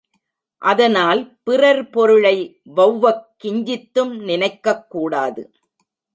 அதனால் பிறர் பொருளை வெளவக் கிஞ்சித்தும் நினைக்கக் கூடாது.